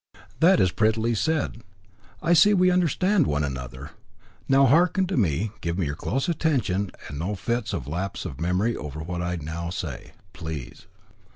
"That is prettily said. I see we understand one another. Now, hearken to me, give me your close attention, and no fits of lapse of memory over what I now say, please.